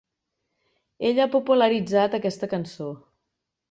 Ella ha popularitzat aquesta cançó.